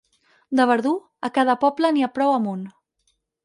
De Verdú, a cada poble n'hi ha prou amb un.